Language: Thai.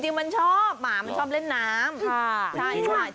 จริงหมาชอบหมาชอบเล่นน้ำ